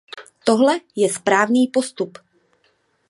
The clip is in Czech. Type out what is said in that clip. Tohle je správný postup.